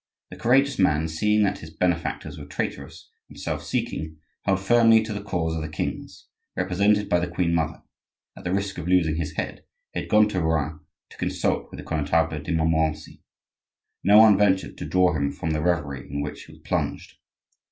This courageous man, seeing that his benefactors were traitorous and self seeking, held firmly to the cause of the kings, represented by the queen mother; at the risk of losing his head, he had gone to Rouen to consult with the Connetable de Montmorency. No one ventured to draw him from the reverie in which he was plunged.